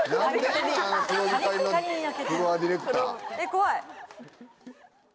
怖い。